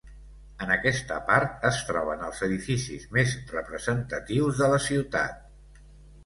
En aquesta part, es troben els edificis més representatius de la ciutat.